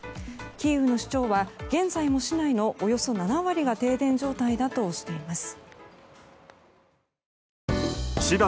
キーウの市長は現在も市内のおよそ７割が停電状態だとしています。